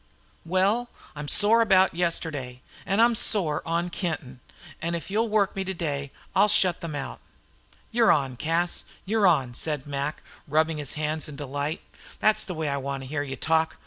"Well, I'm sore about yesterday, and I'm sore on Kenton, and if you'll work me today I'll shut them out." "You 're on, Cas, you're on," said Mac, rubbing his hands in delight. "Thet's the way I want to hear you talk.